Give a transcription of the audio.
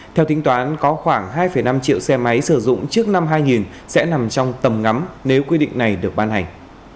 theo tính toán có khoảng hai năm triệu xe máy sử dụng trước năm hai nghìn sẽ nằm trong tầm ngắm nếu quy định này được ban hành